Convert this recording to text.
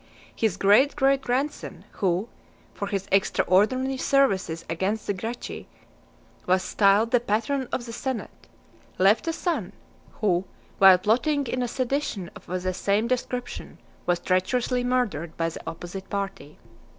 His great great grandson, who, for his extraordinary services against the Gracchi, was styled the "Patron of the Senate," left a son, who, while plotting in a sedition of the same description, was treacherously murdered by the opposite party.